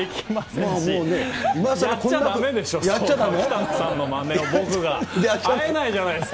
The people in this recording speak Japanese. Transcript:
もうね、やっちゃだめでしょ。